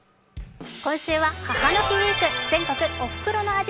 今週は母の日ウイーク全国おふくろの味